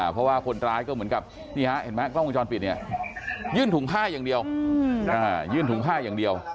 เพราะว่าคนร้ายก็เหมือนกับนี่ฮะเห็นมั้ยกล้องกล้องช้อนปิดยื่นถุงผ้าอย่างเดียว